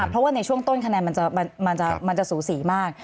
เพราะว่าในช่วงต้นคะแนนมันจะสูสีมาก